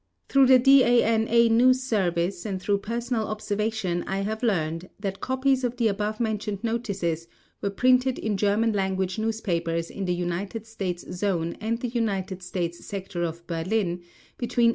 Through the DANA news service and through personal observation I have learned that copies of the above mentioned notices were printed in German language newspapers in the United States Zone and the United States sector of Berlin between 18 October and 17 November 1945.